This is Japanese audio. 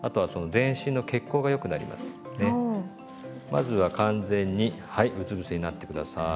まずは完全にはいうつぶせになって下さい。